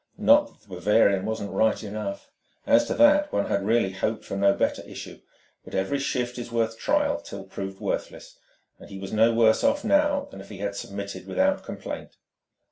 Not that the Bavarian was not right enough! As to that, one had really hoped for no better issue; but every shift is worth trial till proved worthless; and he was no worse off now than if he had submitted without complaint.